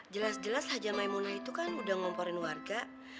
jelas jelas haja maimuna itu kan udah ngomporin warga